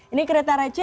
ini kriteria c